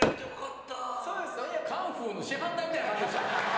カンフーの師範代みたいな感じでしたよ。